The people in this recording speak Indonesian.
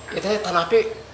iya teh tanah teh